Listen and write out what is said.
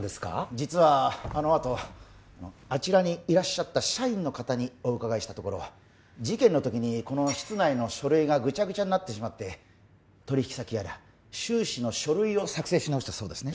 実はあのあとあちらにいらっしゃった社員の方にお伺いしたところ事件の時にこの室内の書類がグチャグチャになってしまって取引先やら収支の書類を作成し直したそうですね